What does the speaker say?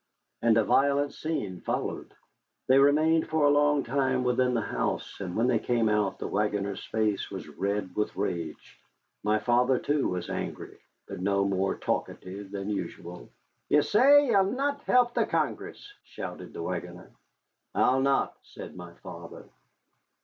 And a violent scene followed. They remained for a long time within the house, and when they came out the wagoner's face was red with rage. My father, too, was angry, but no more talkative than usual. "Ye say ye'll not help the Congress?" shouted the wagoner. "I'll not," said my father.